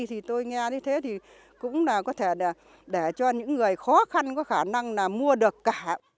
thì tôi nghe như thế thì cũng là có thể để cho những người khó khăn có khả năng là mua được cả